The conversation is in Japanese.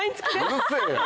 うるせぇよ！